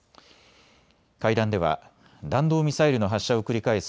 会談では弾道ミサイルの発射を繰り返す